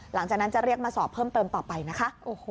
หลังจากนั้นจะเรียกมาสอบเพิ่มเติมต่อไปนะคะ